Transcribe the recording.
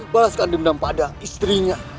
balaskan dendam pada istrinya